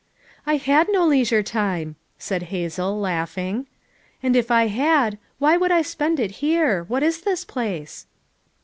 "I had no leisure time," said Hazel, laugh ing. "And if I had why should I spend it here? What is this place?"